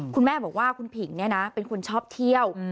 คุณแม่บอกว่าคุณผิงเป็นคนชอบเที่ยว